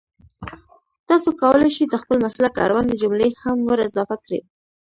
تاسو کولای شئ د خپل مسلک اړونده جملې هم ور اضافه کړئ